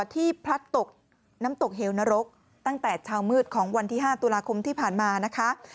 พลัดตกน้ำตกเหวนรกตั้งแต่เช้ามืดของวันที่๕ตุลาคมที่ผ่านมานะคะ